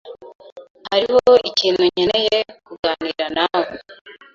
Hariho ikintu nkeneye kuganira nawe.